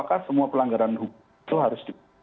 apakah semua pelanggaran hukum itu harus dibuka misalnya